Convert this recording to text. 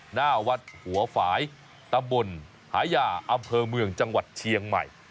หน้าวัดหัวฝ่ายตำบลหายาอำเภอเมืองจังหวัดเชียงใหม่